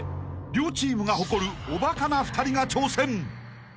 両チームが誇るおバカな２人が挑戦］